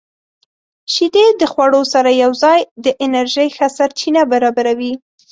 • شیدې د خوړو سره یوځای د انرژۍ ښه سرچینه برابروي.